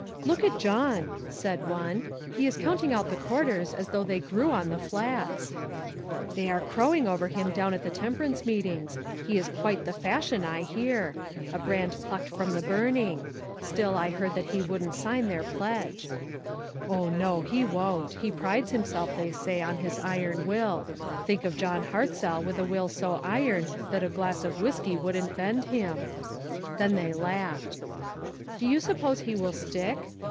"Look at John," said one, "he is count ing out the quarters as though they grew on the Flats." " They are crowing over him down at the temperance meetings ; he is quite the fashion, I hear. A brand plucked from the burning. Still I heard that he wouldn't sign their pledge." "Oh, no, he won't. He prides himself, they say, on his iron will. Think of John Ilartzeli with a will so 'iron that a glass of whiskey wouldn't bend him." Then they laughed. " Do you suppose he will stick